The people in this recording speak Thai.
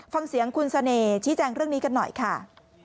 ฟังเสียงคุณเสน่ห์ชี้แจงเรื่องนี้กันหน่อยค่ะ